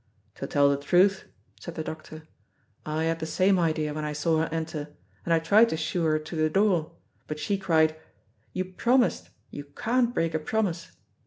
"To tell the truth," said the doctor, "I had the same idea when I saw her enter, and I tried to shoo her to the door, but she cried, 'You promised, you can't break a promise!'